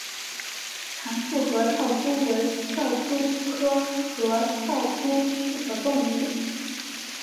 长触合跳蛛为跳蛛科合跳蛛属的动物。